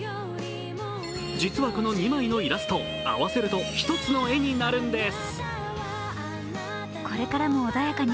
実はこの２枚のイラスト合わせると１つの絵になるんです。